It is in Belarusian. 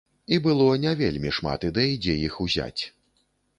І было не вельмі шмат ідэй, дзе іх узяць.